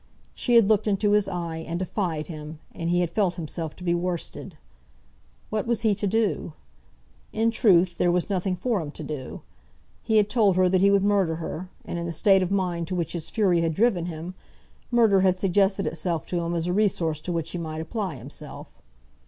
She had looked into his eye and defied him, and he had felt himself to be worsted. What was he to do? In truth, there was nothing for him to do. He had told her that he would murder her; and in the state of mind to which his fury had driven him, murder had suggested itself to him as a resource to which he might apply himself.